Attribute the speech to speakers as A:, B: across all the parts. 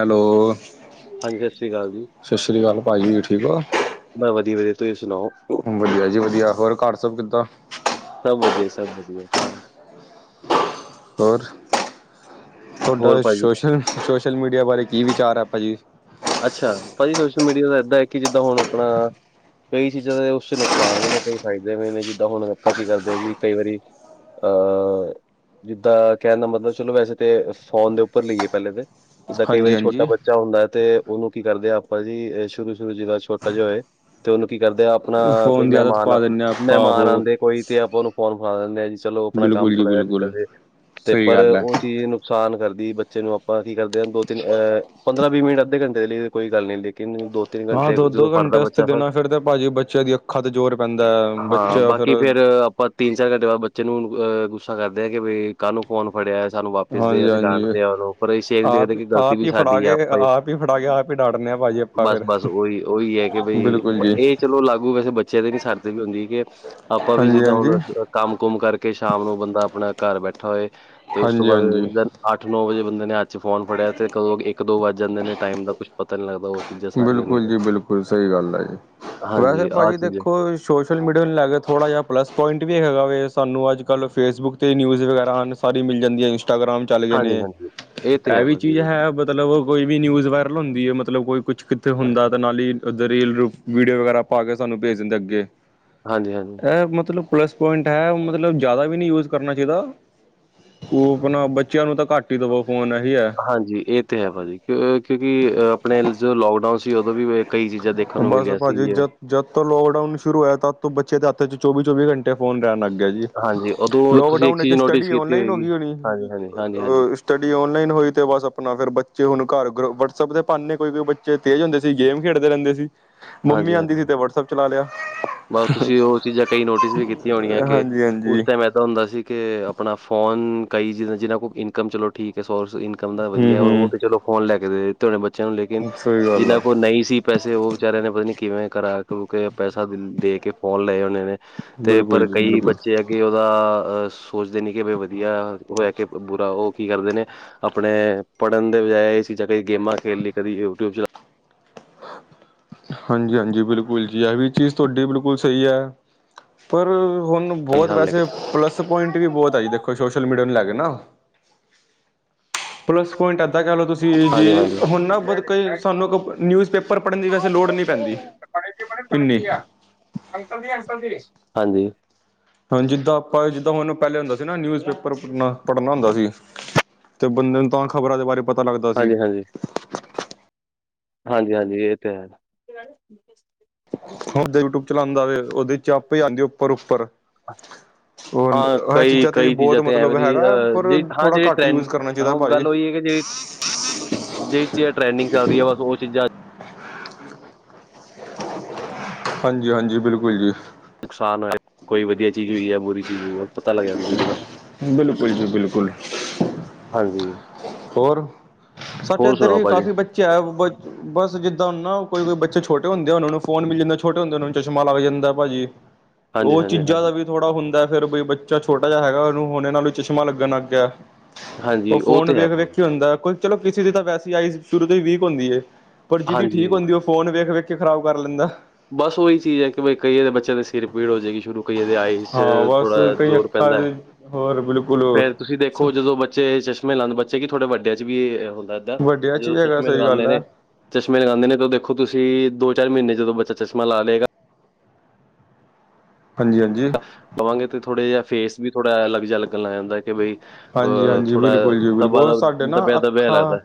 A: Hello
B: ਹਾਂਜੀ ਸਤਿ ਸ਼੍ਰੀ ਅਕਾਲ ਜੀ
A: ਸਤਿ ਸ਼੍ਰੀ ਅਕਾਲ ਭਾਜੀ, ਠੀਕ ਹੋ?
B: ਬਸ ਵਧੀਆ-ਵਧੀਆ, ਤੁਸੀਂ ਸੁਣਾਓ?
A: ਵਧੀਆ ਜੀ ਵਧੀਆ, ਹੋਰ ਘਰ ਸਭ ਕਿੱਦਾਂ?
B: ਸਭ ਵਧੀਆ ਸਭ ਵਧੀਆ ਸਨ।
A: ਹੋਰ ਤੁਹਾਡਾ
B: ਹੋਰ ਭਾਜੀ
A: ਸ਼ੋਸ਼ਲ-ਸ਼ੋਸ਼ਲ ਮੀਡੀਆ ਬਾਰੇ ਕੀ ਵਿਚਾਰ ਹੈ, ਭਾਂਜੀ।
B: ਅੱਛਾ ਭਾਜੀ ਸੋਸ਼ਲ ਮੀਡੀਆ ਦਾ ਏਦਾਂ ਹੈ, ਕਿ ਜਿੱਦਾਂ ਹੁਣ ਆਪਣਾ, ਕਈ ਚੀਜ਼ਾਂ ਦੇ ਉਸ ਚ ਨੁਕਸਾਨ ਵੀ ਨੇ ਕਈ ਫਾਇਦੇ ਵੀ ਨੇ, ਜਿੱਦਾਂ ਹੁਣ ਆਪਾਂ ਕੀ ਕਰਦੇ ਹਾਂ ਜੀ ਕਈ ਵਾਰੀ, [unintelligible] ਜਿੱਦਾਂ ਕਹਿਣ ਦਾ ਮਤਲਬ ਚਲੋ, ਵੈਸੇ ਤੇ ਫ਼ੋਨ ਦੇ ਉੱਪਰ ਲਈਏ ਪਹਿਲੇ ਦੇ ਜਿੰਦਾਂ ਕਈ
A: ਹਾਂਜੀ
B: ਵਾਰੀ ਛੋਟਾ
A: ਹਾਂਜੀ
B: ਬੱਚਾ ਹੁੰਦਾ ਹੈ, ਤੇ ਉਹਨੂੰ ਕੀ ਕਰਦੇ ਆ ਆਪਾਂ ਜੀ ਸ਼ੁਰੂ-ਸ਼ੁਰੂ ਜਾ ਛੋਟਾ ਜਿਹਾ ਹੋਏ ਤੇ ਉਹਨੂੰ ਕੀ ਕਰਦੇ ਆ ਆਪਣਾ ਕੋਈ
A: ਫੋਨ ਦੀ ਆਦਤ ਪਾ ਦਿੰਦੇ ਹਾਂ ਆਪਾਂ
B: ਮਹਿਮਾਨ-ਮਹਿਮਾਨ
A: ਉਹ
B: ਆਉਂਦੇ, ਕੋਈ ਤੇ ਆਪਾਂ ਉਹਨੂੰ ਫੋਨ ਫਡਾ ਲੈਂਦੇ ਆ ਜੀ ਚਲੋ, ਆਪਣਾ ਕੰਮ
A: ਬਿਲਕੁਲ ਜੀ
B: ਥੋੜਾ ਜਿਹਾ ਨਿਕਲ
A: ਬਿਲਕੁਲ
B: ਜਾਏ, ਤੇ
A: ਸਹੀ
B: ਪਰ
A: ਗੱਲ ਹੈ
B: ਉਹ ਚੀਜ਼ ਨੂੰ ਨੁਕਸਾਨ ਕਰਦੀ ਬੱਚੇ ਨੂੰ ਆਪਾਂ ਕੀ ਕਰਦੇ ਹਾਂ, ਦੋ ਤਿੰਨ ਅਹ ਪੰਦਰਾਂ ਵੀਹ ਮਿੰਟ ਅੱਧੇ ਘੰਟੇ ਲਈ ਕੋਈ ਗੱਲ ਨਹੀਂ ਲੇਕਿਨ ਦੋ ਤਿੰਨ
A: ਹਾਂ
B: ਘੰਟੇ
A: ਦੋ
B: ਜਦੋਂ
A: ਦੋ ਘੰਟੇ
B: ਫੜਦਾ
A: ਵਾਸਤੇ
B: ਬੱਚਾ, ਫਿਰ
A: ਦੇਣਾ ਤਾਂ ਭਾਜੀ ਬੱਚਿਆਂ ਦੀ ਅੱਖਾਂ ਤੇ ਜ਼ੋਰ ਪੈਂਦਾ ਹੈ।
B: ਹਾਂ
A: ਬੱਚਾ ਫਿਰ
B: ਬਾਕੀ ਫੇਰ ਆਪਾਂ ਤਿੰਨ ਚਾਰ ਘੰਟੇ ਬਾਅਦ ਬੱਚੇ ਨੂੰ ਅਹ ਗੁੱਸਾ ਕਰਦੇ ਆ ਕਿ ਕਾਹਨੂੰ ਫੋਨ ਫੜਿਆ ਸਾਨੂੰ ਵਾਪਿਸ ਦੇ
A: ਹਾਂਜੀ
B: ਅਸੀਂ
A: ਹਾਂਜੀ
B: ਡਾਂਡਦੇ ਹਾਂ, ਉਹਨੂੰ ਪਰ ਐ ਨੀ
A: ਆਪ
B: ਦੇਖਦੇ, ਕਿ ਗਲਤੀ
A: ਆਪ
B: ਵੀ
A: ਹੀ ਫੜਾ
B: ਸਾਡੀ ਆ
A: ਕੇ
B: ਆਪਾਂ
A: ਆਪ ਹੀ ਫੜਾ ਕੇ ਆਪ ਹੀ ਡਾਂਟਦੇ ਹਾਂ ਭਾਜੀ ਆਪਾਂ ਫਿਰ
B: ਬਸ-ਬਸ ਉਹੀ ਉਹੀ ਹੈ, ਕਿ ਬਈ
A: ਬਿਲਕੁਲ ਜੀ
B: ਇਹ ਚਲੋ ਲਾਗੂ ਵੈਸੇ ਬੱਚੇ ਬੱਚੇ ਦੇ ਸਰਦ ਵੀ ਹੁੰਦੀ ਹੈ, ਕਿ ਆਪਾਂ ਵੀ
A: ਹਾਂਜੀ
B: ਜਿੱਦਾਂ
A: ਹਾਂਜੀ
B: ਹੁਣ ਕੰਮ ਕੁਮ ਕਰਕੇ ਸ਼ਾਮ ਨੂੰ ਬੰਦਾ ਆਪਣਾ ਘਰ ਬੈਠਾ ਹੋਏ, ਤੇ ਉਸ ਤੋਂ
A: ਹਾਂਜੀ ਹਾਂਜੀ
B: ਬਾਅਦ ਅੱਠ ਨੌ ਵਜੇ ਬੰਦੇ ਨੇ ਹੱਥ ਚ ਫੋਨ ਫੜਿਆ, ਤੇ ਕਦੋਂ ਇੱਕ ਦੋ ਵੱਜ ਜਾਂਦੇ ਨੇ ਟਾਈਮ ਦਾ ਕੁਛ ਪਤਾ ਨੀ ਲਗਦਾ ਉਹ ਚੀਜ਼ਾਂ, ਸਾਰੀਆਂ
A: ਬਿਲਕੁਲ
B: ਹੁੰਦੀਆਂ।
A: ਜੀ ਬਿਲਕੁਲ, ਸਹੀ ਗੱਲ ਆ ਜੀ ਵੈਸੇ
B: ਹਾਂਜੀ ਆਹ
A: ਭਾਜੀ
B: ਚੀਜ਼ ਹੈ
A: ਦੇਖੋ ਸ਼ੋਸ਼ਲ ਮੀਡੀਆ ਨੂੰ ਲੈ ਕੇ ਥੋੜ੍ਹਾ ਜਿਹਾ, ਪਲੱਸ ਪੁਆਇੰਟ ਵੀ ਇਹ ਹੈਗਾ ਵੀ ਸਾਨੂੰ ਅੱਜ-ਕੱਲ੍ਹ ਫੇਸਬੁੱਕ 'ਤੇ ਨਿਊਜ਼ ਵਗੈਰਾ ਹਨ। ਸਾਰੀ ਮਿਲ ਜਾਂਦੀ ਹੈ, ਇੰਸਟਾਗ੍ਰਾਮ ਚੱਲ ਗਏ ਨੇ
B: ਹਾਂਜੀ-ਹਾਂਜੀ ਤੇ
A: ਇਹ
B: ਹੈ
A: ਵੀ
B: ਭਾਜੀ
A: ਚੀਜ਼ ਹੈ, ਮਤਲਬ ਕੋਈ ਵੀ ਨਿਊਜ਼ ਵਾਇਰਲ ਹੁੰਦੀ ਹੈ, ਮਤਲਬ ਕੋਈ ਕੁਛ ਕਿੱਥੇ ਹੁੰਦਾ ਤਾਂ ਨਾਲ ਹੀ ਉੱਧਰ ਰੀਲ-ਰੂਲ ਵੀਡੀਓ ਵਗੈਰਾ ਪਾ ਕੇ ਸਾਨੂੰ ਭੇਜ ਦਿੰਦੇ ਅੱਗੇ,
B: ਹਾਂਜੀ- ਹਾਂਜੀ।
A: ਇਹ ਮਤਲਬ ਪਲੱਸ ਪੁਆਇੰਟ ਹੈ ਮਤਲਬ ਜ਼ਿਆਦਾ ਵੀ ਨਹੀਂ ਯੂਜ ਕਰਨਾ ਚਾਹੀਦਾ। ਉਹ ਆਪਣਾ ਬੱਚਿਆਂ ਨੂੰ ਤਾਂ ਘੱਟ, ਹੀ ਦੇਵੋ ਫੋਨ ਇਹੀ ਹੈ
B: ਹਾਂਜੀ ਇਹ ਤੇ ਹੈ ਭਾਜੀ ਕਿਉਂਕਿ ਅ ਆਪਣੇ ਜਦੋਂ ਲੋਕਡਾਊਨ ਸੀ ਉਦੋਂ ਵੀ ਕਈ ਚੀਜ਼ਾਂ ਦੇਖਣ ਨੂੰ
A: ਬਸ
B: ਮਿਲੀਆਂ
A: ਭਾਜੀ
B: ਸੀਗੀਆਂ,
A: ਜਦ ਜਦ ਤੋਂ ਲੋਕਡਾਊਨ ਸ਼ੁਰੂ ਹੋਇਆ ਤਦ ਤੋਂ ਬਚੇ ਦੇ ਹੱਥ ਚੌਵੀ- ਚੌਵੀ ਘੰਟੇ ਫੋਨ ਰਹਿਣ ਲੱਗ ਗਿਆ ਜੀ,
B: ਹਾਂਜੀ, ਉਦੋਂ ਤੁਸੀਂ
A: ਲੋਕਡਾਊਨ
B: ਇੱਕ
A: ਵਿੱਚ
B: ਚੀਜ਼ ਨੋਟਿਸ
A: ਸਟੱਡੀ
B: ਕੀਤੀ
A: ਓਨਲਾਈਨ ਹੋ
B: ਹੋਏਗੀ।
A: ਗਈ ਹੋਣੀ
B: ਹਾਂਜੀ, ਹਾਂਜੀ, ਹਾਂਜੀ, ਹਾਂਜੀ,
A: ਸਟੱਡੀ ਔਨਲਾਈਨ ਹੋਈ ਤੇ ਬਸ ਆਪਣਾ ਫਿਰ ਬੱਚੇ ਹੁਣ ਘਰ ਵਟਸਐਪ ਦੇ ਬਹਾਨੇ ਕੋਈ- ਕੋਈ ਬੱਚੇ ਤੇਜ਼ ਹੁੰਦੇ ਸੀ ਗੇਮ ਖੇਡਦੇ ਰਹਿੰਦੇ ਸੀ, ਮੰਮੀ
B: ਹਾਂਜੀ,
A: ਆਉਂਦੀ
B: ਹਾਂਜੀ।
A: ਸੀ ਤੇ ਵਟਸਐਪ ਚਲਾ ਲਿਆ।
B: ਬਸ ਤੁਸੀਂ ਉਹ ਚੀਜ਼ਾਂ ਕਈ ਨੋਟਿਸ ਵੀ ਕੀਤੀਆਂ ਹੋਣੀਆਂ ਕਿ,
A: ਹਾਂਜੀ ਹਾਂਜੀ
B: ਉਸ ਟਾਈਮ ਹੁੰਦਾ ਸੀ ਕਿ ਆਪਣਾ ਫੋਨ ਕਈ ਜੀਾਂ ਜਿਹਨਾਂ ਕੋਲ ਇਨਕਮ ਚਲੋ ਠੀਕ ਹੈ ਸੋਰਸ ਕੰਮ ਦਾ
A: ਹੂੰ
B: ਵਧੀਆ
A: ਹੂੰ
B: ਉਹ ਤੇ ਚਲੋ ਫੋਨ ਲੈ ਕੇ ਦੇ ਦਿੱਤੇ ਹੋਣੇ ਬੱਚਿਆਂ ਨੂੰ ਲੇਕਿਨ
A: ਸਹੀ ਗੱਲ
B: ਜਿੰਨਾ
A: ਆ
B: ਕੋਲ ਨਹੀਂ ਸੀ। ਪੈਸੇ ਉਹ ਵਿਚਾਰਿਆਂ ਨੇ ਪਤਾ ਨੀ ਕਿਵੇਂ ਕਰਾ ਕਰੂ ਕੇ ਪੈਸਾ ਦੇ ਕੇ ਫੋਨ ਲਏ ਹੋਣੇ ਨੇ ਤੇ
A: ਬਿਲਕੁਲ
B: ਪਰ
A: ਜੀ
B: ਕਈ
A: ਬਿਲਕੁਲ
B: ਬੱਚੇ ਹੈ ਅੱਗੇ ਉਹਦਾ ਸੋਚਦੇ ਨਹੀਂ ਕਿ ਵਧੀਆ ਉਹ ਹੈ ਕਿ ਬੁਰਾ ਉਹ ਕੀ ਕਰਦੇ ਨੇ ਆਪਣੇ ਪੜ੍ਹਨ ਦੇ ਬਜਾਏ ਇਹ ਚੀਜ਼ਾਂ ਕਦੇ ਗੇਮਾਂ ਖੇਡ ਲਈ ਕਦੀ ਯੂਟਿਊਬ ਚ
A: ਹਾਂਜੀ -ਹਾਂਜੀ ਬਿਲਕੁਲ ਜੀ ਇਹ ਵੀ ਚੀਜ਼ ਤੁਹਾਡੀ ਬਿਲਕੁਲ ਸਹੀ ਹੈ, ਪਰ ਹੁਣ
B: ਲਈ
A: ਬਹੁਤ
B: ਸਾਨੂੰ ਲੈ
A: ਵੈਸੇ
B: ਕੇ
A: ਪਲੱਸ ਪਲਸ ਪੁਆਇੰਟ ਵੀ ਬਹੁਤ ਆ ਜੀ ਦੇਖੋ ਸੋਸ਼ਲ ਮੀਡੀਆ ਨੂੰ ਲੈ ਕੇ ਨਾ ਪਲੱਸ ਪੁਆਇੰਟ ਇੱਦਾਂ ਕਹਿ ਲਓ ਤੁਸੀਂ
B: ਹਾਂਜੀ
A: ਜੀ,
B: ਹਾਂਜੀ
A: ਹੁਣ ਨਾ ਬ ਕੋਈ ਸਾਨੂੰ ਨਿਊਜ਼ ਪੇਪਰ ਪੜ੍ਹਨ ਦੀ ਗ
B: ਬਣੇ ਹਾਂਜੀ
A: ਹਾਂਜੀ ਜਿੱਦਾਂ ਆਪਾਂ ਜਿੱਦਾਂ ਹੁਣ ਪਹਿਲੇ ਹੁੰਦਾ ਸੀ ਨਾ ਨਿਊਜ਼ ਪੇਪਰ ਪੜਨਾ ਪੜ੍ਹਨਾ ਹੁੰਦਾ ਸੀ ਤੇ ਬੰਦੇ ਨੂੰ ਤਾਂ ਖ਼ਬਰਾਂ ਦੇ ਬਾਰੇ ਪਤਾ ਲੱਗਦਾ ਸੀ
B: ਹਾਂਜੀ ਹਾਂਜੀ ਹਾਂਜੀ- ਹਾਂਜੀ ਇਹ ਤੇ ਹੈ
A: ਹੁਣ ਯੂਟਿਊਬ ਚਲਾਉਂਦਾ ਵ, ਉਹਦੇ ਚ ਆਪੇ ਆਉਂਦੇ ਉੱਪਰ- ਉਪਰ
B: ਹਾਂ
A: ਉਹ ਇਹ
B: ਕਈ
A: ਚੀਜ਼ਾਂ ਤੇ ਵੀ
B: ਕਈ
A: ਬਹੁਤ
B: ਤੇ
A: ਮਤਲਬ
B: ਐਵੇਂ ਦੀ
A: ਹੈਗਾ,
B: ਅਹ
A: ਪਰ
B: ਜੇ ਹਾਂ
A: ਥੋੜਾ
B: ਜਿਹੜੀ
A: ਘੱਟ
B: ਟਰੈਂਡ
A: ਯੂਜ ਕਰਨਾ
B: ਹਾਂ
A: ਚਾਹੀਦਾ ਭਾਜੀ ਹਮ
B: ਜਿਸ ਚੀਜ਼ ਟਰੇਡਿੰਗ ਚੱਲ ਰਹੀ ਹੈ ਬ ਉਹ ਚੀਜ਼ਾਂ
A: ਹਾਂਜੀ, ਹਾਂਜੀ ਬਿਲਕੁਲ ਜੀ
B: ਨੁਕਸਾਨ ਹੋ, ਕੋਈ ਵਧੀਆ ਚੀਜ਼ ਹੋਈ ਹੈ ਬੁਰੀ ਚੀਜ਼ ਹੋਊਗਾ ਪਤਾ ਲੱਗ ਜਾਂਦਾ ਮੈਨੂੰ ਇਕਦਮ
A: ਬਿਲਕੁਲ ਜੀ ਬਿਲਕੁਲ
B: ਹਾਂਜੀ
A: ਹੋਰ, ਸਾਡੇ
B: ਹੋਰ
A: ਇੱਧਰ
B: ਸੁਣਾਓ
A: ਵੀ
B: ਭਾਜੀ
A: ਕਾਫੀ ਬੱਚੇ ਹੈ ਬ ਬਸ ਜਿੱਦਾਂ ਨਾ ਕੋਈ ਬੱਚੇ ਛੋਟੇ ਹੁੰਦੇ ਆ ਉਹਨਾਂ ਨੂੰ ਫੋਨ ਮਿਲ ਜਾਂਦਾ ਛੋਟੇ ਹੁੰਦੇ ਉਹ ਨੂੰ ਚਸ਼ਮਾ ਲੱਗ ਜਾਂਦਾ ਭਾਜੀ ਹ
B: ਹਾਂਜੀ
A: ਉਹ
B: ਹਾਂਜੀ
A: ਚੀਜ਼ਾਂ ਦਾ
B: ਹਾਂਜੀ
A: ਵੀ ਥੋੜ੍ਹਾ ਹੁੰਦਾ ਫਿਰ ਬਈ ਬੱਚਾ ਛੋਟਾ ਜਿਹਾ ਹੈਗਾ ਉਹਨੂੰ ਹ ਹੋੁਣੇ ਨਾਲੋਂ ਚਸ਼ਮਾ ਲੱਗਣ ਲੱਗ ਗਿਆ
B: ਹਾਂਜੀ ਉਹ
A: ਫੋਨ
B: ਤੇ ਹੈ
A: ਵੇਖ
B: ਆਪਣੇ
A: ਵੇਖ ਕੇ ਹੁੰਦਾ ਕੋਈ ਚਲੋ ਕਿਸੇ ਦੀ ਤਾਂ ਵੈਸੇ ਆਈਸ ਸ਼ੁਰੂ ਤੋਂ ਹੀ ਵੀਕ ਹੁੰਦੀ ਹੈ ਪਰ ਜਿਹਦੀ ਠੀਕ
B: ਹਾਂਜੀ
A: ਹੁੰਦੀ ਉਹ ਫੋਨ ਵੇਖ- ਵੇਖ ਖਰਾਬ ਕਰ ਲੈਂਦਾ
B: ਬਸ ਉਹੀ ਚੀਜ਼ ਹੈ ਕਿ ਕਈਏ ਦੇ ਬੱਚਿਆਂ ਦੇ ਸਿਰ ਪੀੜ ਹੋ ਜਾਏਗੀ ਸ਼ੁਰੂ ਕਈਆਂ ਦੇ ਆਈਸ ਚ
A: ਹਾਂ ਬਸ
B: ਥੋੜ੍ਹਾ
A: ਕਈ
B: ਜ਼ੋਰ
A: ਅੱਖਾਂ
B: ਪੈਂਦਾ ਹੈ
A: ਦੇ ਹੋਰ ਬਿਲਕੁਲ
B: ਫੇਰ ਤੁਸੀਂ ਦੇਖੋ ਜਦੋਂ ਬੱਚੇ ਚਸ਼ਮੇ ਲਾਉਦੇ ਬੱਚੇ ਕੀ ਥੋੜੇ ਵੱਡਿਆਂ ਚ ਵੀ ਹੁੰਦਾ ਹੁੰਦਾ
A: ਵੱਡਿਆਂ ਚ
B: ਜਦੋਂ
A: ਵੀ ਹੈਗਾ
B: ਚਸ਼ਮੇ
A: ਸਹੀ
B: ਲਗਾਉਂਦੇ
A: ਗੱਲ ਹੈ
B: ਨੇ ਚਸ਼ਮੇ ਲਗਾਉਂਦੇ ਨੇ ਤਾਂ ਦੇਖੋ ਤੁਸੀਂ, ਦੋ ਚਾਰ ਮਹੀਨੇ ਜਦੋਂ ਬੱਚਾ ਚਸ਼ਮਾ ਲਾ ਲਏਗਾ
A: ਹਾਂਜੀ -ਹਾਂਜੀ
B: ਲਵਾਂਗੇ ਥੋੜਾ ਜਿਹਾ ਫੇਸ ਵੀ ਥੋੜਾ ਅਲੱਗ ਜਿਹਾ ਲਗ ਜਾਂਦਾ ਬਈ
A: ਹਾਂਜੀ,
B: ਅ
A: ਹਾਂਜੀ
B: ਥੋੜਾ
A: ਬਿਲਕੁਲ ਜੀ
B: ਦਬਾ
A: ਬਿਲਕੁਲ
B: ਦਬ
A: ਸਾਡੇ ਨਾ
B: ਦਬਿਆ ਦਬਿਆ
A: ਅੱਖਾਂ
B: ਲੱਗਦਾ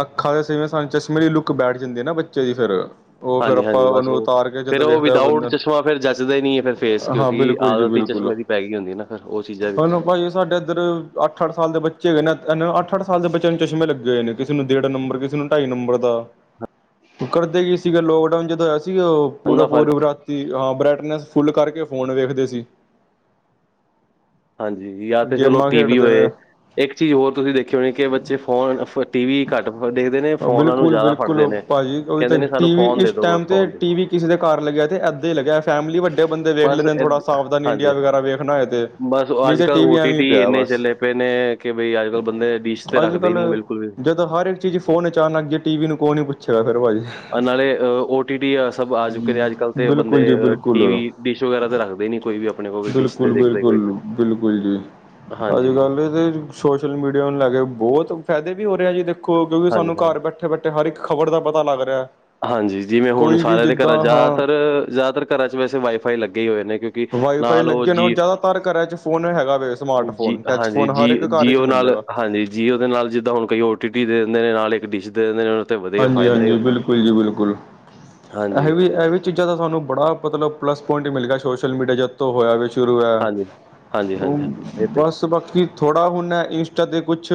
A: ਅਖਾਂ ਦੇ ਸੇਵੇਂ ਸਾਨੂੰ ਚਸ਼ਮੇ ਦੀ ਲੁੱਕ ਬੈਠ ਜਾਂਦੀ ਹੈ ਨਾ ਬੱਚੇ ਦੀ ਫਿਰ ਉਹ ਫਿਰ
B: ਹਾਂਜੀ-
A: ਆਪਾਂ
B: ਹਾਂਜੀ ਬਸ
A: ਉਹਨੂੰ
B: ਉਹ
A: ਉਤਾਰ ਕੇ
B: ਫਿਰ
A: ਜਦੋਂ
B: ਉਹ
A: ਵੇਖਦਾ
B: ਵਿਦਊਟ
A: ਬੰਦਾ
B: ਚਸ਼ਮਾ ਫਿਰ ਜੱਚਦਾ ਹੀ ਨਹੀਂ ਹੈ ਫਿਰ ਫੇਸ
A: ਹਾਂ
B: ਕਿਉਂਕਿ
A: ਬਿਲਕੁਲ ਜੀ
B: ਆਦਤ ਹੀ
A: ਬਿਲਕੁਲ
B: ਚਸ਼ਮੇ ਦੀ ਪੈ ਗਈ ਹੁੰਦੀਆਂ ਨਾ ਫੇਰ ਉਹ ਚੀਜ਼ਾਂ ਵੀ
A: ਹੁਣ ਭਾਜੀ ਸਾਡੇ ਇੱਧਰ ਅੱ ਅੱਠ ਸਾਲ ਦੇ ਬੱਚੇ ਹੈਗੇ ਨਾ ਇਹ ਅੱਠ ਅੱਠ ਸਾਲ ਦੇ ਬੱਚਿਆਂ ਨੂੰ ਚਸ਼ਮੇ ਲੱਗੇ ਹੋਏ ਨੇ ਕਿਸੇ ਨੂੰ ਦੇਢ ਨੰਬਰ ਕਿਸੇ ਨੂੰ ਢਾਈ ਨੰਬਰ ਦਾ ਕਰਦੇ ਕੀ ਸੀਗੇ ਲੋਕਡਾਊਨ ਜਦੋਂ ਹੋਇਆ, ਸੀ ਉਹ ਪੂਰਾ
B: ਉਹਦਾ ਫਰਕ
A: ਪੂਰਾ ਰਾਤੀ ਹਾਂ ਬ੍ਰਈਟਨੈਸ ਫੁੱਲ ਕਰਕੇ ਫੋਨ ਵੇਖਦੇ ਸੀ।
B: ਹਾਂਜੀ, ਜਾਂ ਤਾਂ ਚਲੋ
A: ਗੇਮਾਂ
B: ਟੀ ਵੀ
A: ਖੇਡਦੇ
B: ਹੋਏ
A: ਨੇ
B: ਇੱਕ ਚੀਜ਼ ਹੋਰ ਤੁਸੀਂ ਦੇਖੀ ਹੋਣੀ ਕਿ ਬੱਚੇ ਫੋਨ ਫ ਟੀ ਵੀ ਘੱਟ ਦੇਖਦੇ ਨੇ ਫੋਨ ਨੂੰ
A: ਬਿਲਕੁਲ
B: ਜ਼ਿਆਦਾ ਫੜਦੇ
A: ਬਿਲਕੁਲ
B: ਨੇ
A: ਭਾਜੀ ਉਹੀ ਤਾਂ
B: ਕਹਿੰਦੇ ਨੇ ਸਾਨੂੰ
A: ਟੀਵੀ
B: ਫੋਨ
A: ਇਸ
B: ਦੇ ਦੋ
A: ਟਾਈਮ
B: ਬਸ
A: ਤੇ
B: ਫੋਨ ਦੋ।
A: ਟੀਵੀ ਕਿਸੇ ਦੇ ਘਰ ਲੱਗਿਆ ਅਤੇ ਏਦਾਂ ਈ ਲੱਗਿਆ ਫੈਮਲੀ ਵੱਡੇ ਬੰਦੇ ਵੇਖ
B: ਬਸ
A: ਲੈਂਦੇ ਥੋੜ੍ਹਾ
B: ਏਦ-
A: ਸਾਵਧਾਨ ਇੰਡੀਆ
B: ਹਾਂਜੀ
A: ਵਗੈਰਾ ਵੇਖਣਾ ਹੋਏ ਤੇ।
B: ਬਸ
A: ਨਹੀਂ
B: ਅੱਜ
A: ਤੇ
B: ਕੱਲ
A: ਟੀਵੀ
B: ਓ ਟੀ
A: ਐਵੇਂ ਹੀ
B: ਟੀ
A: ਪਿਆ
B: ਇੰਨੇ
A: ਬਸ
B: ਚੱਲੇ ਪਏ ਨੇ ਕਿ ਬਈ ਅੱਜ ਕੱਲ ਬੰਦੇ ਡਿਸ਼ ਤੇ
A: ਅੱਜ
B: ਰੱਖਦੇ ਈ ਨੀ
A: ਕੱਲ੍ਹ
B: ਬਿਲਕੁਲ ਵੀ।
A: ਜਦੋਂ ਹਰ ਇੱਕ ਚੀਜ਼ ਫੋਨ ਵਿੱਚ ਆਣ ਲੱਗ ਗਈ ਫਿਰ ਟੀਵੀ ਵੀ ਨੂੰ ਕੌਣ ਨੀ ਪੁੱਛਗਾ ਫਿਰਾ ਭਾਜੀ।
B: ਨਾਲੇ ਓ ਟੀ ਟੀ ਸਭ ਆ ਚੁੱਕੇ ਨੇ ਅੱਜ ਕੱਲ੍ਹ ਤੇ ਬੰਦੇ
A: ਬਿਲਕੁਲ ਜੀ ਬਿਲਕੁਲ
B: ਟੀ ਵੀ ਡਿਸ਼ ਵਗੈਰਾ ਤੇ ਰੱਖਦੇ ਨੀ ਕੋਈ ਵੀ। ਆਪਣੇ ਕੋਲ ਵੀ ਡਿਸ਼ ਤੇ
A: ਬਿਲਕੁਲ
B: ਦੇਖਦੇ ਕੋਈ
A: ਬਿਲਕੁਲ
B: ਨਹੀਂ।
A: ਬਿਲਕੁਲ ਜੀ, ਅੱਜ
B: ਹਾਂਜੀ
A: ਕੱਲ ਇਹ ਤੇ ਸੋਸ਼ਲ ਮੀਡੀਆ ਨੂੰ ਲੈ ਕੇ ਬਹੁਤ ਫਾਇਦੇ ਵੀ ਹੋ ਰਹੇ ਆ ਜੀ ਦੇਖੋ ਕਿਉਂਕਿ ਸਾਨੂੰ
B: ਹਾਂਜੀ ਹਾਂਜੀ
A: ਘਰ ਬੈਠੇ ਇੱਥੇ ਬੈਠੇ ਹਰ ਇੱਕ ਖ਼ਬਰ ਦਾ ਪਤਾ ਲੱਗ ਰਿਹਾ।
B: ਹਾਂਜੀ, ਜਿਵੇਂ ਹੁਣ
A: ਕੋਈ ਵੀ
B: ਸਾਰਿਆਂ ਦੇ ਘਰਾਂ
A: ਜਿੱਦਾਂ ਹਾਂ
B: ਜ਼ਿਆਦਾਤਰ ਜ਼ਿਆਦਾਤਰ ਘਰਾਂ ਚ ਵੈਸੇ ਵਾਈਫਾਈ ਲੱਗੇ ਹੀ ਹੋਏ ਨੇ ਕਿਉਂਕ
A: ਵਾਈਫਾਈ ਲੱਗੇ ਨੇ ਜ਼ਿਆਦਾਤਰ ਘਰਾਂ ਚ ਫੋਨ ਹੈਗਾ ਵੈ
B: ਜੀ
A: ਸਮਾਰਟਫੋਨ ਟੱਚ
B: ਹਾਂਜੀ,
A: ਫੋਨ ਹਰ ਇੱਕ
B: ਜੀ
A: ਘਰ 'ਚ
B: ਜੀਓ ਨਾਲ
A: ਮਿਲੇਗਾ।
B: ਹਾਂਜੀ ਜੀਓ ਦੇ ਨਾਲ ਜਿੱਦਾਂ ਹੁਣ ਕਈ ਓ ਟੀ ਟੀ ਦੇ ਦਿੰਦੇ ਨੇ ਨਾਲ ਇੱਕ ਡਿਸ਼ ਦੇ ਦਿੰਦੇ ਨੇ। ਤੇ ਵਧੀਆ
A: ਹਾਂਜੀ
B: ਫਾਇਦਾ ਹੀ
A: ਹਾਂਜੀ,
B: ਉਹਨਾਂ ਦਾ।
A: ਬਿਲਕੁਲ ਜੀ ਬਿਲਕੁਲ।
B: ਹਾਂਜੀ,
A: ਇਹ ਵੀ ਇਹ ਵੀ ਚੀਜ਼ਾਂ ਦਾ ਤੁਹਾਨੂੰ ਬੜਾ ਮਤਲਬ ਪਲੱਸ ਪੁਆਇੰਟ ਮਿਲ ਗਿਆ ਸੋਸ਼ਲ ਮੀਡੀਆ ਜ ਤੋਂ ਹੋਇਆ। ਸ਼ੁਰੂ ਐ
B: ਹਾਂਜੀ, ਹਾਂਜੀ,
A: ਓ
B: ਹਾਂਜੀ, ਹਾਂਜੀ ਇਹ ਤੇ
A: ਬਸ ਬਾਕੀ, ਥੋੜ੍ਹਾ ਹੁਣ ਇੰਸਟਾ 'ਤੇ ਕੁਛ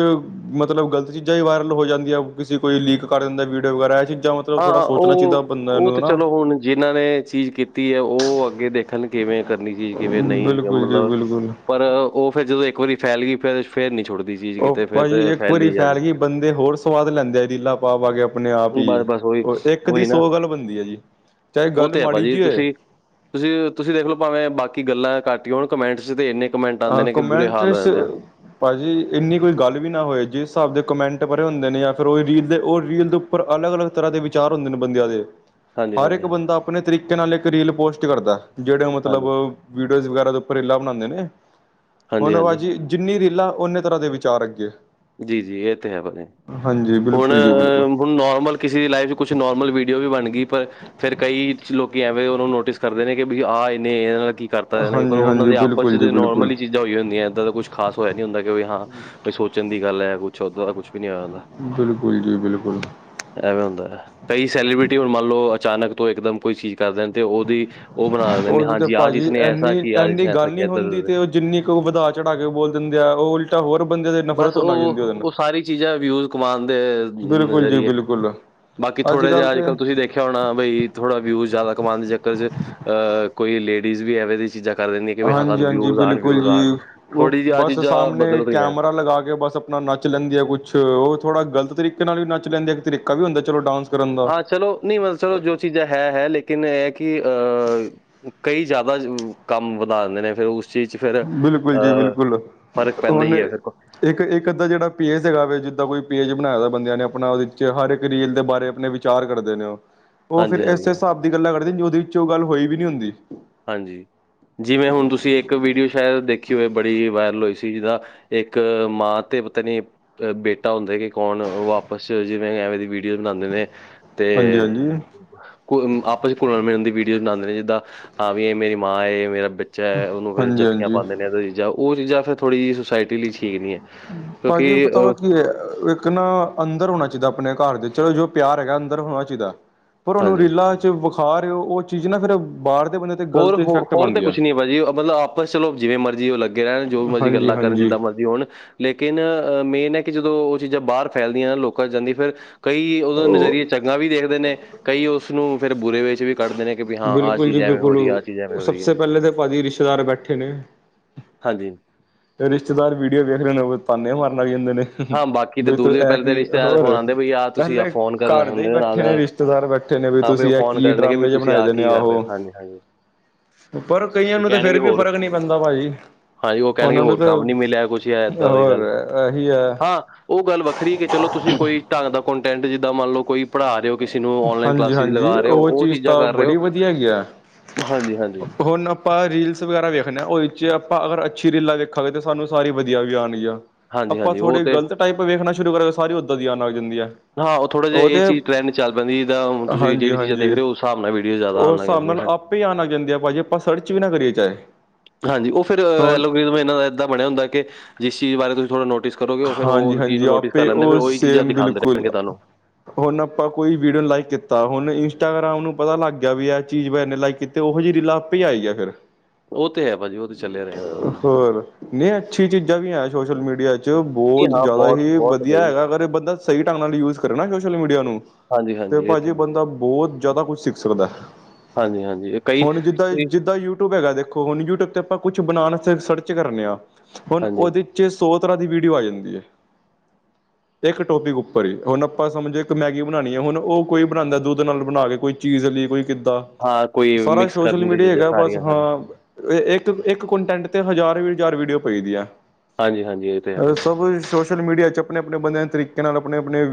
A: ਮਤਲਬ ਗਲਤ ਚੀਜ਼ਾਂ ਹੀ ਵਾਇਰਲ ਹੋ ਜਾਂਦੀਆਂ ਕਿਸੇ ਕੋਈ ਲੀਕ ਕਰ ਦਿੰਦਾ ਵੀਡੀਓ ਵਗੈਰਾ ਇਹ ਚੀਜ਼ਾਂ ਮਤਲਬ ਥੋੜ੍ਹਾ
B: ਹਾਂ,
A: ਸੋਚਣਾ ਚਾਹੀਦਾ
B: ਉਹ
A: ਬੰਦਿਆਂ
B: ਉਹ
A: ਨੂੰ
B: ਤੇ
A: ਨਾ।
B: ਚਲੋ ਹੁਣ ਜਿਨਾਂ ਨੇ ਚੀਜ਼ ਕੀਤੀ ਐ ਉਹ ਅੱਗੇ ਦੇਖਣ ਕਿਵੇਂ ਕਰਨੀ ਚੀਜ਼ ਕਿਵੇਂ ਨਹੀਂ
A: ਬਿਲਕੁਲ ਜੀ
B: ਮਤਲਬ
A: ਬਿਲਕੁਲ।
B: ਪਰ ਉਹ ਫੇਰ ਜਦੋਂ ਇੱਕ ਵਾਰੀ ਫੈਲ ਗਈ ਫਿਰ ਫੇਰ ਨਹੀਂ ਛੁੱਟਦੀ ਜੀ।
A: ਉਹ ਭਾਜੀ ਇੱਕ ਵਾਰੀ ਫੈਲ ਗਈ ਬੰਦੇ ਹੋਰ ਸਵਾਦ ਲੈਂਦੇ ਆ ਰੀਲਾ ਪਾ ਪਾ ਆ ਕੇ ਆਪਣੇ ਆਪ ਈ।
B: ਬਸ, ਬਸ ਉਹੀ,
A: ਉਹ ਇੱਕ ਦੀ
B: ਉਹੀ ਨਾ।
A: ਸੌ ਗੱਲ ਬਣਦੀ ਐ ਜੀ ਚਾਹੇ
B: ਉਹ
A: ਗੱਲ
B: ਤੇ ਹੈ
A: ਮਾੜੀ
B: ਭਾਜੀ
A: ਜੀ ਹੋਏ।
B: ਤੁਸੀਂ ਤੁਸੀਂ ਤੁਸੀਂ ਦੇਖ ਲੋ ਭਾਵੇਂ ਬਾਕੀ ਗੱਲਾਂ ਕੱਟ ਹੋਣ ਕਮੈਂਟਸ ਚ ਤੇ ਇੰਨੇ ਕਮੈਂਟ ਆਉਂਦੇ
A: ਆਹ
B: ਨੇ ਕਿ ਬੁਰੇ ਹਾਲ ਹੋ
A: ਕੋਮੈਂਟਰਸ,
B: ਜਾਂਦੇ ਆ
A: ਭਾਜੀ ਇੰਨੀ ਕੋਈ ਗੱਲ ਵੀ ਨਾ ਹੋਏ ਜਿਸ ਹਿਸਾਬ ਦੇ ਕਮੈਂਟ ਭਰੇ ਹੁੰਦੇ ਨੇ ਜਾਂ ਫਿਰ ਉਹ ਰੀਲ ਦੇ ਉਹ ਰੀਲ ਤੋਂ ਉੱਪਰ ਅਲੱਗ ਅਲੱਗ ਤਰ੍ਹਾਂ ਦੇ ਵਿਚਾਰ ਹੁੰਦੇ ਨੇ ਬੰਦਿਆਂ ਦੇ।
B: ਹਾਂਜੀ,
A: ਹਰ
B: ਹਾਂਜੀ,
A: ਇੱਕ
B: ਹਾਂਜੀ,
A: ਬੰਦਾ ਆਪਣੇ ਤਰੀਕੇ ਨਾਲ ਇੱਕ ਰੀਲ ਪੋਸਟ ਕਰਦਾ ਜਿਹੜੇ ਮਤਲਬ
B: ਹਾਂਜੀ,
A: ਵੀਡੀਓਜ਼ ਵਗੈਰਾ ਉੱਪਰ ਰੀਲਾਂ ਬਣਾਂਦੇ ਨੇ।
B: ਹਾਂਜੀ,
A: ਹੁਣ
B: ਹਾਂਜੀ,
A: ਭਾਜੀ ਜਿੰਨੀ ਰੀਲਾ ਓਨੇ ਤਰ੍ਹਾਂ ਦੇ ਵਿਚਾਰ ਅੱਗੇ।
B: ਜੀ ਜੀ ਇਹ ਤੇ ਹੈ ਭਾਜੀ
A: ਹਾਂਜੀ
B: ਹੁਣ।
A: ਬਿਲਕੁਲ ਜੀ ਬਿਲਕੁਲ
B: ਹੁਣ ਨੋਰਮਲ ਕਿਸੇ ਦੀ ਲਾਈਫ 'ਚ ਕੁਛ ਨੋਰਮਲ ਵੀਡੀਓ ਵੀ ਬਣ ਗਈ ਪਰ ਫੇਰ ਕਈ ਲੋਕੀ ਐਵੇਂ ਉਹਨਾਂ ਨੂੰ ਨੋਟਿਸ ਕਰਦੇ ਨੇ ਕਿ ਵੀ ਆਹ ਇਹਨੇ ਇਹਦੇ ਨਾਲ ਕੀ ਕਰਤਾ ਇਹਨਾਂ ਪਰ ਉਹਨਾਂ
A: ਹਾਂਜੀ-ਹਾਂਜੀ
B: ਦੇ ਆਪਸ
A: ਬਿਲਕੁਲ ਜੀ
B: ਚ
A: ਬਿਲਕੁਲ।
B: ਨੋਰਮਲੀ ਚੀਜ਼ਾਂ ਹੋਈ ਹੁੰਦੀ ਆ ਇੱਦਾਂ ਦਾ ਕੁਛ ਖਾਸ ਹੋਇਆ ਨੀ ਹੁੰਦਾ ਕਿ ਹਾਂ ਕੇ ਸੋਚਣ ਦੀ ਗੱਲ ਐ ਕੁਛ ਉੱਦਾਂ ਦਾ ਕੁਛ ਵੀ ਨੀ ਹੋਇਆ ਹੁੰਦਾ।
A: ਬਿਲਕੁਲ ਜੀ ਬਿਲਕੁਲ।
B: ਐਵੇਂ ਹੁੰਦਾ ਕਈ ਸੈਲੀਬ੍ਰਿਟੀ ਹੁਣ ਮੰਨ ਲਓ ਅਚਾਨਕ ਤੋਂ ਇਕਦਮ ਕੋਈ ਚੀਜ਼ ਕਰ ਦੇਣ ਤੇ ਉਹਦੀ। ਉਹ ਬਣਾ ਦਿੰਦੇ ਨੇ
A: ਉਹਦੀ ਤੇ
B: ਹਾਂਜੀ ਆਹ
A: ਭਾਜੀ
B: ਜਿਸਨੇ ਐਸਾ
A: ਇੰਨੀ
B: ਕੀਆ, ਆਹ
A: ਇੰਨੀ
B: ਜਿਸਨੇ ਐਸਾ
A: ਗੱਲ ਨੀ
B: ਕੀਆ
A: ਹੁੰਦੀ
B: ਏਦਾਂ-ਏਦਾਂ
A: ਤੇ ਉਹ ਜਿੰਨੀ ਉਹ ਵਧਾ ਚੜਾ ਕੇ ਬੋਲ ਦਿੰਦੇ ਆ ਉਹ ਉਲ
B: ਬਸ ਉਹ ਉਹ ਸਾਰੀ ਚੀਜ਼ਾਂ ਵਿਊਜ ਕਮਾਨ ਦੇ
A: ਬਿਲਕੁਲ ਜੀ
B: ਜ਼ਰੀਏ।
A: ਬਿਲਕੁਲ
B: ਬਾਕ
A: ਅੱਜ
B: ਥੋੜਾ
A: ਕੱਲ੍ਹ
B: ਜਾ
A: ਤੇ
B: ਅੱਜਕੱਲ ਤੁਸੀਂ, ਖਿਆ ਹੋਣਾ ਬਈ ਥੋੜਾ ਵਿਊਜ ਜ਼ਿਆਦਾ ਕਮਾਣ ਦੇ ਚੱਕਰ ਚ ਅਹ ਕੋਈ ਲੇਡੀਜ਼ ਵੀ ਐਵੇ ਦੀ ਚੀਜ਼ਾਂ ਕਰ ਦਿੰਦੀਆਂ ਕਿ ਵੀ ਹਾਂ
A: ਹਾਂਜੀ
B: ਸਾਨੂੰ
A: ਹਾਂਜੀ,
B: ਵਿਊਜ਼ ਆਣ
A: ਬਿਲਕੁਲ
B: ਵਿਊਜ਼ ਆਣ
A: ਜੀ ਉਹ
B: ਥੋੜ੍ਹੀ ਜਿਹੀ ਆਹ
A: ਬਸ
B: ਚੀਜ਼ਾਂ
A: ਸਾਹਮਣੇ
B: ਬਦਲ ਰਹੀਆਂ।
A: ਕੈਮਰਾ ਲਗਾ ਕੇ ਬਸ ਆਪਣਾ ਨੱਚ ਲੈਂਦੀ ਆ ਕੁਛ ਉਹ ਥੋੜ੍ਹਾ ਗਲਤ ਤਰੀਕੇ ਨਾਲ ਵੀ ਨੱਚ ਲੈਂਦੀ ਆ ਇੱਕ ਤਰੀਕਾ ਵੀ ਹੁੰਦਾ ਚਲੋ ਡਾਂਸ। ਕਰਨ ਦਾ
B: ਹਾਂ, ਚਲੋ ਨਹੀਂ ਮਤਲਬ ਚਲੋ ਜੋ ਚੀਜ਼ਾਂ ਹੈ ਹੈ ਲੇਕਿਨ ਇਹ ਕਿ ਅ ਕਈ ਜ਼ਿਆਦਾ ਕੰਮ ਵਧਾ ਦਿੰਦੇ ਨੇ ਫਿਰ ਉਸ ਚੀਜ਼ ਚ ਫਿਰ,
A: ਬਿਲਕੁਲ ਜੀ
B: ਅਹ
A: ਬਿਲਕੁਲ
B: ਫ਼ਰਕ ਪੈਂਦਾ
A: ਹੁਣ
B: ਹੀ ਹੈ ਵੇਖੋ
A: ਇੱਕ, ਇੱਕ ਅੱਧਾ ਜਿਹੜਾ ਪੇਜ ਹੈਗਾ ਵ ਜਿੱਦਾਂ ਕੋਈ ਪੇਜ ਬਣਾਇਆ ਵ ਬੰਦਿਆਂ ਨੇ ਆਪਣਾ ਉਹਦੇ ਵਿੱਚ ਹਰ ਇੱਕ ਰੀਲ ਦੇ ਬਾਰੇ ਆਪਣੇ ਵਿੱਚ ਵਿਚਾਰ ਕਰਦੇ ਨੇ ਉਹ ਉਹ ਫਿਰ
B: ਹਾਂਜੀ
A: ਇਸੇ
B: ਹਾਂਜੀ
A: ਹਿਸਾਬ ਦੀ ਗੱਲਾਂ ਕਰਦੇ ਜ ਉਹਦੇ ਵਿੱਚ ਉਹ ਗੱਲ ਹੋਈ ਵੀ ਨੀ ਹੁੰਦੀ
B: ਹਾਂਜੀ, ਜਿਵੇਂ ਹੁਣ ਤੁਸੀਂ ਇੱਕ ਵੀਡੀਓ ਸ਼ਾਇਦ ਦੇਖੀ ਹੋਏ ਬੜੀ ਵਾਇਰਲ ਹੋਈ ਸੀ ਜਿਹਦਾ ਇੱਕ ਮਾਂ ਤੇ ਪਤਾ ਨੀ ਅ ਬੇਟਾ ਹੁੰਦਾ ਕਿ ਕੌਣ ਵਾਪਸ ਜਿਵੇਂ ਐਵੇਂ ਦੀ ਵੀਡੀਓ ਬਣਾਉਂਦੇ ਨੇ ਤੇ
A: ਹਾਂਜੀ ਹਾਂਜੀ
B: ਆਪਸ ਚ ਘੁਲਣ ਮਿਲਨ ਦੀ ਵੀਡੀਓ ਬਣਾਉਂਦੇ ਨੇ ਜਿੱਦਾਂ ਹਾਂ ਵੀ ਮੇਰੀ ਮਾਂ ਮੇਰਾ ਚਾਹੇ ਉਹਨੂੰ ਫਿਰ
A: ਹਾਂਜੀ
B: ਜੱਫੀਆਂ
A: ਹਾਂਜੀ
B: ਪਾਉਂਦੇ ਨੇ ਉਹ ਚੀਜ਼ ਉਹ ਚੀਜ਼ ਫਿਰ ਥੋੜ੍ਹੀ ਜਿਹੀ ਸੁਸਾਇਟੀ ਲਈ ਠੀਕ ਨਹੀਂ ਹੈ ਕਿਉਂਕਿ
A: ਭਾਜੀ ਪਤਾ ਵ
B: ਅ,
A: ਕੀ ਹੈ ਇੱਕ ਨਾ ਅੰਦਰ ਹੋਣਾ ਚਾਹੀਦਾ ਆਪਣੇ ਘਰ ਦੇ ਵਿੱਚ ਜੋ ਪਿਆਰ ਹੈਗਾ ਅੰਦਰ ਹੋਣਾ ਚਾਹੀਦਾ, ਪਰ ਉਹਨੂੰ
B: ਹਾਂਜੀ
A: ਰੀਲਾ ਚ ਵਿਖਾ ਰਹੇ ਹੋ ਉਹ ਚੀਜ਼ ਨਾ ਫਿਰ ਬਾਹਰ ਦੇ ਬੰਦੇ ਤੇ
B: ਹੋਰ
A: ਗ਼ਲਤ
B: ਹੋ
A: ਇਫੈਕਟ
B: ਹੋਰ
A: ਪਾਉਂਦੀ ਆ
B: ਕੁਛ ਨੀ ਭਾਜੀ ਮਤਲਬ ਆਪਸ ਚਲੋ ਜਿਵੇਂ ਮਰਜ਼ੀ ਉਹ ਲੱਗ ਰਹਿਣ ਜੋ ਵੀ ਮਰਜ਼ੀ
A: ਹਾਂਜੀ
B: ਗੱਲਾਂ ਕਰਨ
A: ਹਾਂਜੀ
B: ਜਿੱਦਾਂ ਮਰਜ਼ੀ ਹੋਣ ਲੇਕਿਨ ਅਹ ਮੇਨ ਹੈ ਕਿ ਜਦੋਂ ਉਹ ਚੀਜ਼ਾਂ ਬਾਹਰ ਫੈਲਦੀਆਂ ਨਾ ਲੋਕਾਂ ਜਾਂਦੀ ਫਿਰ ਕਈ ਉਦੋਂ
A: ਉਹ
B: ਨਜ਼ਰੀਏ ਚੰਗਾ ਵੀ ਦੇਖਦੇ ਨੇ, ਕਈ ਉਸਨੂੰ ਫਿਰ ਬੁਰੇ ਵਿੱਚ ਵੀ ਕਰਦੇ ਨੇ ਕਿ ਵੀ ਹਾਂ ਆਹ ਚੀਜ਼ ਐਵੇਂ ਹੋ ਜਾ
A: ਹੂੰ ਸਬਸੇ ਪਹਿਲੇ ਤਾਂ ਭਾਜੀ ਰਿਸ਼ਤੇਦਾਰ ਬੈਠੇ ਨੇ
B: ਹਾਂਜੀ
A: ਰਿਸ਼ਤੇਦਾਰ ਵੀਡੀਓ ਵੇਖਦੇ ਨੇ ਉਹ ਤੇ ਭਾਨੇ ਮਾਰਨ ਲਗ ਜਾਂਦੇ ਨੇ
B: ਹਾਂ ਬਾਕੀ ਤਾਂ
A: ਵੀ ਤੂੰ
B: ਦੂਰ ਦੇ
A: ਇਹ
B: ਪਹਿਲੇ ਤਾਂ
A: ਕੀ,
B: ਰਿਸ਼ਤੇਦਾਰ ਹੋ
A: ਹੋਰ
B: ਆਉਂਦੇ ਬਈ ਆਹ ਤੁਸੀਂ ਆਹ
A: ਪਹਿਲੇ
B: ਫੋਨ ਕਰਨ ਲੱਗ
A: ਘਰ ਦੇ
B: ਹੁੰਦੇ
A: ਹੀ
B: ਨਾਲ
A: ਬੈਠੇ ਨੇ ਰਿਸ਼ਤੇ
B: ਨਾਲ
A: ਰਿਸ਼ਤੇਦਾਰ ਬੈਠੇ ਨੇ ਵੀ
B: ਹਾਂ ਉਹ
A: ਤੁਸੀਂ ਇਹ
B: ਫੋਨ
A: ਕੀ
B: ਕਰਨਗੇ ਵੀ
A: ਡਰਾਮੇ ਜਿਹੇ
B: ਤੁਸੀਂ
A: ਬਣਾਏ
B: ਆਹ
A: ਦੇ ਨੇ
B: ਕੀ
A: ਆ
B: ਕਰ ਰਹੇ ਹੋ ਹਾਂਜੀ ਹਾਂਜੀ
A: ਪਰ ਕਈਆਂ ਨੂੰ ਤੇ
B: ਕਹਿਣਗੇ
A: ਫਿਰ ਵੀ
B: ਹੋਰ
A: ਫਰਕ ਨਹੀਂ ਪੈਂਦਾ ਭਾਜੀ
B: ਹਾਂਜੀ ਉਹ ਕਹਿਣਗੇ
A: ਉਹਨਾਂ ਨੂੰ
B: ਹੋਰ ਕੰਮ
A: ਤਾਂ,
B: ਨਹੀਂ ਮਿਲਿਆ ਕੁਛ ਜਾਂ ਇੱਦਾਂ ਦੀ
A: ਹੋਰ
B: ਗੱਲ
A: ਇਹੀ ਆ
B: ਹਾਂ ਉਹ ਗੱਲ ਵੱਖਰੀ ਹੈ ਕਿ ਚਲੋ ਤੁਸੀਂ ਕੋਈ ਢੰਗ ਦਾ ਕੰਟੈਂਟ ਜਿੱਦਾਂ ਮੰਨ ਲਓ ਕੋਈ ਪੜ੍ਹਾ ਰਹੇ ਹੋ ਕਿਸੇ ਨੂੰ ਔਨਲਾਈਨ
A: ਹਾਂਜੀ
B: ਕਲਾਸਿਸ
A: ਹਾਂਜੀ
B: ਲਗਾ ਰਹੇ ਹੋ ਉਹ
A: ਚੀਜ਼
B: ਚੀਜ਼ਾਂ
A: ਤਾਂ
B: ਕਰ ਰਹੇ ਹੋ
A: ਬੜੀ ਵਧੀਆ ਹੈਗੀ ਆ
B: ਹਾਂਜੀ-ਹਾਂਜੀ
A: ਹੁਣ ਆਪਾਂ ਰੀਲਸ ਵਗੈਰਾ ਵੇਖਦੇ ਹਾਂ ਉਹਦੇ 'ਚ ਆਪਾਂ ਅਗਰ ਅੱਛੀ ਰੀਲਾਂ ਵੇਖਾਂਗੇ ਤਾਂ ਸਾਨੂੰ ਸਾਰੀ ਵਧੀਆ ਵੀ ਆਉਣਗੀਂਆ
B: ਹਾਂਜੀ,
A: ਆਪਾਂ
B: ਹਾਂਜੀ ਉਹ
A: ਥੋੜੀ
B: ਤੇ
A: ਗਲਤ ਟਾਈਪ ਵੇਖਣਾ ਸ਼ੁਰੂ ਕਰਾਂਗੇ ਸਾਰੀ ਓਦਾਂ ਦੀ ਆਉਣ ਲਗ ਜਾਂਦੀਆ ਹੈ
B: ਹਾਂ ਥੋੜੇ ਜੇ ਇਹ ਚੀ ਟ੍ਰੈਂਡ ਚੱਲ ਪੈਂਦੀ ਹੈ ਤਾਂ ਹੁਣ ਤੁਸੀਂ ਜਿਹੜੀ ਚੀਜ਼ਾਂ ਦੇਖ
A: ਹਾਂਜੀ-ਹਾਂਜੀ
B: ਰਹੇ ਹੋ ਉਸ ਹਿਸਾਬ ਨਾਲ ਵੀਡੀਓ ਜ਼ਿਆਦਾ ਆਉਣ
A: ਉਸ
B: ਲਗ
A: ਹਿਸਾਬ
B: ਜਾਂਦੀਆਂ
A: ਨਾਲ
B: ਹਨ
A: ਆਪੇ ਹੀ ਆਉਣ ਲੱਗ ਜਾਂਦੇ ਆ ਭਾਜੀ ਆਪਾਂ ਸਰਚ ਵੀ ਨਾ ਕਰੀਏ ਚਾਹੇ
B: ਹਾਂਜੀ ਉਹ ਫਿਰ
A: ਹੁਣ
B: ਐਲੋਗਿਜ਼ਮ ਇਹਨਾ ਦਾ ਏਦਾਂ ਬਣਿਆ ਹੁੰਦਾ ਕਿ ਜਿਸ ਚੀਜ਼ ਬਾਰੇ ਤੁਸੀਂ ਥੋੜ੍ਹਾ ਨੋਟਿਸ ਕਰੋਗੇ ਫਿਰ ਚੀਜ਼
A: ਹਾਂਜੀ-ਹਾਂਜੀ
B: ਨੂੰ ਨੋਟਿਸ ਕਰ
A: ਆਪੇ
B: ਲੈਂਦੇ ਫਿਰ
A: ਉਹ
B: ਉਹੀ ਚੀਜ਼ਾਂ
A: ਸੇਮ
B: ਦਿਖਾਉਦੇ
A: ਬਿਲਕੁਲ
B: ਰਹਿਣਗੇ ਤੁਹਾਨੂੰ
A: ਹੁਣ ਆਪਾਂ ਕੋਈ ਵੀਡੀਓ ਨੂੰ ਲਾਈਕ ਕੀਤਾ ਹੁਣ ਇੰਸਟਾਗ੍ਰਾਮ ਨੂੰ ਪਤਾ ਲੱਗ ਗਿਆ ਵੀ ਇਹ ਚੀਜ਼ ਨੇ ਲਾਈਕ ਕੀਤੀ ਤੇ ਉਹੋ ਜਿਹੀ ਰੀਲਾ ਆਪੇ ਜਾਈ ਫਿਰ
B: ਉਹ ਤੇ ਹੈ ਭਾਜੀ ਉਹ ਤੇ ਚੱਲਿਆ ਰਹੇਗਾ ਕੰਮ ਓਦਾਂ।
A: ਹੋਰ, ਨਹੀਂ ਅੱਛੀ ਚੀਜ਼ਾਂ ਵੀ ਹੈ ਸੋਸ਼ਲ ਮੀਡੀਆ 'ਚ
B: ਜੀ
A: ਬਹੁਤ
B: ਹਾਂ,
A: ਜ਼ਿਆਦਾ
B: ਬਹੁਤ,
A: ਹੀ
B: ਬਹੁਤ
A: ਵਧੀਆ
B: ਭਾਈ।
A: ਹੈਗਾ ਅਗਰ ਬੰਦਾ ਸਹੀ ਢੰਗ ਨਾਲ ਯੂਜ ਕਰੇ ਨਾ ਸੋਸ਼ਲ ਮੀਡੀਆ ਨੂੰ
B: ਹਾਂਜੀ-ਹਾਂਜੀ ਇਹ ਤੇ
A: ਦਾ ਬਹੁਤ ਜ਼ਿਆਦਾ ਕੁਛ ਸਿੱਖ ਸਕਦਾ ਹੈ,
B: ਹਾਂਜੀ, ਹਾਂਜੀ ਇਹ ਕਈ
A: ਹੁਣ
B: ਤੁਸੀਂ
A: ਜਿੱਦਾਂ-ਜਿੱਦਾਂ ਯੂਟਿਊਬ ਹੈਗਾ ਦੇਖੋ ਹੁਣ ਯੂਟਿਊਬ ਤੇ ਆਪਾਂ ਕੁਛ ਬਣਾਉਣ ਤੇ ਸਰਚ ਕਰਨੇ ਹਾਂ, ਹੁਣ
B: ਹਾਂਜੀ।
A: ਉਹਦੇ ਚ ਸੋ ਉਸ ਤਰ੍ਹਾਂ ਦੀ ਵੀਡੀਓ ਆਈ ਜਾਂਦੀ ਹੈ ਇੱਕ ਟੋਪਿਕ ਉੱਪਰ ਹੀਈ, ਹੁਣ ਆਪਾਂ ਸਮਝੋ ਇੱਕ ਮੈਗੀ ਬਣਾਉਣੀ ਹੈ ਹੁਣ ਉਹ ਕੋਈ ਬਣਾਉਦਾ ਦੁੱਧ ਨਾਲ ਬਣਾ ਕੇ ਕੋਈ ਚੀਜ਼ ਲਈ ਕੋਈ ਕਿੱਦਾਂ,
B: ਹਾਂ, ਕੋਈ
A: ਸਾਰਾ
B: ਮਿਕਸ
A: ਸੋਸ਼ਲ
B: ਕਰਨ ਦੀ
A: ਮੀਡੀਆ
B: ਚੀਜ਼ਾਂ
A: ਹੈਗਾ ਬਸ
B: ਸਾਰੀਆਂ ਹਨ।
A: ਹਾਂ ਇੱਕ-ਇੱਕ ਕੰਟੈਂਟ 'ਤੇ ਹਜ਼ਾਰ ਵੀ ਹਜ਼ਾਰ ਵੀਡੀਓ ਪਈਦੀ ਹੈ
B: ਹਾਂਜੀ-ਹਾਂਜੀ ਇਹ ਤੇ ਹੈ ਭਾਜੀ,
A: ਸਭ ਸੋਸ਼ਲ ਮੀਡੀਆ ਚ ਆਪਣੇ-ਆਪਣੇ ਬੰਦਿਆਂ ਤਰੀਕੇ ਨਾਲ ਆਪਣੇ-ਆਪਣੇ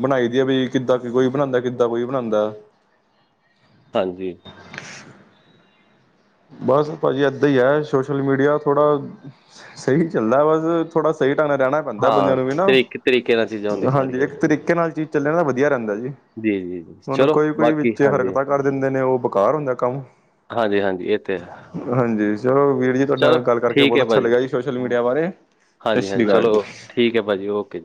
A: ਬਣਾਈ ਦੀ ਆ ਬਈ, ਕਿੱਦਾਂ ਕੋਈ ਬਣਾਉਂਦਾ, ਕਿੱਦਾਂ ਕੋਈ ਬਣਾਉਂਦਾ
B: ਹਾਂਜੀ
A: ਬਸ ਭਾਜੀ ਏਦਾਂ ਹੀ ਹੈ, ਸੋਸ਼ਲ ਮੀਡੀਆ ਥੋੜ੍ਹਾ ਸਹੀ ਚੱਲਦਾ ਬਸ, ਥੋੜ੍ਹਾ ਸਹੀ ਢੰਗ ਨਾਲ ਰਹਿਣਾ ਬੰਦਾ ਬੰਦਿਆਂ
B: ਹਾਂ,
A: ਨੂੰ ਵੀ ਨਾ
B: ਤਰੀਕ ਤਰੀਕੇ ਨਾਲ ਚੀਜ਼ਾਂ ਹੁੰਦੀ
A: ਹਾਂਜੀ,
B: ਸਾਰੀਆਂ ਇਹ
A: ਇੱਕ
B: ਤੇ, ਹੈ।
A: ਤਰੀਕੇ ਨਾਲ ਚੀਜ਼ ਚੱਲੇ ਤਾਂ ਵਧੀਆ ਰਹਿੰਦਾ ਜੀ।
B: ਜੀ, ਜੀ,
A: ਹੁਣ
B: ਚਲੋ
A: ਕੋਈ-ਕੋਈ
B: ਬਾਕੀ
A: ਵਿੱਚ
B: ਹਾਂਜੀ,
A: ਹਰਕਤਾਂ ਕਰ ਦਿੰਦੇ ਨੇ ਉਹ ਬੇਕਾਰ ਹੁੰਦਾ ਕੰਮ।
B: ਹਾਂਜੀ-ਹਾਂਜੀ ਇਹ ਤੇ ਹੈ।
A: ਹਾਂਜੀ, ਚਲੋ ਵੀਰ ਜੀ ਤੁਹਾਡੇ
B: ਚਲੋ
A: ਨਾਲ ਗੱਲ ਕਰਕੇ
B: ਠੀਕ
A: ਬਹੁਤ
B: ਹੈ
A: ਅੱਛਾ
B: ਭਾਜੀ,
A: ਲੱਗਿਆ ਜੀ ਸੋਸ਼ਲ ਮੀਡੀਆ ਬਾਰੇ ਸਤਿ ਸ੍ਰੀ
B: ਹਾਂਜੀ-ਹਾਂਜੀ,
A: ਅਕਾਲ
B: ਚਲੋ
A: ਜੀ‌।
B: ਠੀਕ ਹੈ ਭਾਜੀ ਓਕੇ।